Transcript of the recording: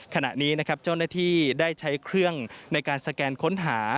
ขณะนี้นะครับเจ้าหน้าที่ได้ใช้เครื่องในการสแกนค้นหา